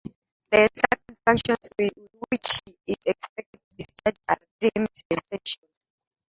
The sacred functions which he is expected to discharge are deemed essential.